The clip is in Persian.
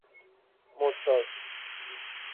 مدساز